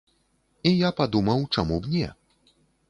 І я падумаў, чаму б не?